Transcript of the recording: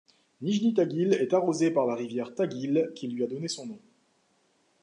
Nijni Taguil est arrosée par la rivière Taguil, qui lui a donné son nom.